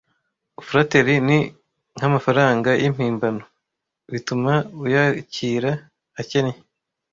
Flattery ni nkamafaranga yimpimbano; bituma uyakira, akennye.